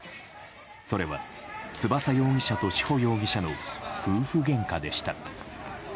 それは翼容疑者と志保容疑者の夫婦げんかでした。